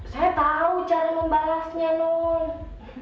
saya tahu cara membalasnya dong